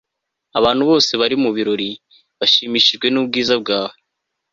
abantu bose bari mu birori bashimishijwe n'ubwiza bwe